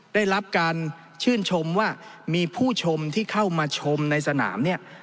ได้รับการชื่นชมว่ามีผู้ชมที่เข้ามาชมในสนามเนี่ย